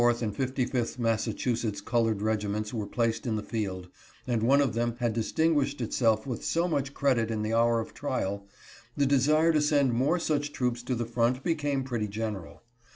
them. After the 54th and 55th Massachusetts colored regiments were placed in the field, and one of them had distinguished itself "with so much credit in the hour of trial, the desire to send more such troops to the front became pretty general.